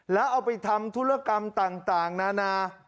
แล้วเอาไปทำธุรกรรมต่างนานา